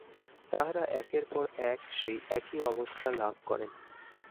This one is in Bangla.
তাঁহারা একের পর এক সেই একই অবস্থা লাভ করেন।